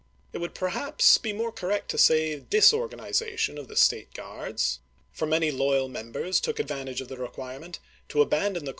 It would perhaps be more correct to say disorganiza tion of the State Guards ; for many loyal members KENTUCKY 239 took advantage of the requirement to abandon the chap.